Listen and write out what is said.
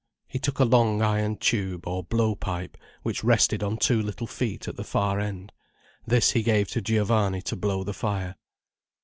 He took a long iron tube or blow pipe, which rested on two little feet at the far end. This he gave to Giovanni to blow the fire.